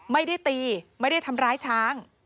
ไม่ได้ตีไม่ได้ทำร้ายช้าง